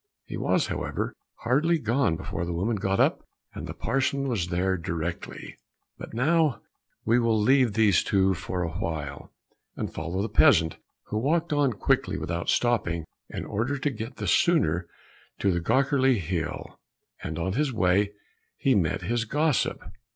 He was, however, hardly gone before the woman got up, and the parson was there directly. But now we will leave these two for a while, and follow the peasant, who walked on quickly without stopping, in order to get the sooner to the Göckerli hill, and on his way he met his gossip.